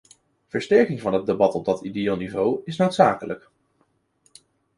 Versterking van het debat op dat ideëel niveau is noodzakelijk.